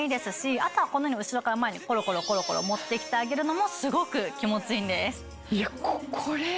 あとはこのように後ろから前にコロコロ持ってきてあげるのもすごく気持ちいいんです。